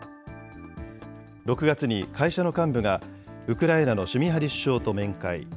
６月に会社の幹部が、ウクライナのシュミハリ首相と面会。